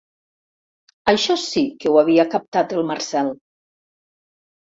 Això sí que ho havia captat el Marcel.